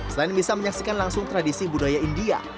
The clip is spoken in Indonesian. selain bisa menyaksikan langsung tradisi budaya india